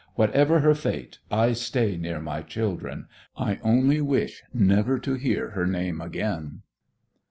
Whatever her fate, I stay near my children. I only wish never to hear her name again."